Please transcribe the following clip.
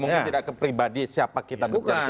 mungkin tidak kepribadi siapa kita bicara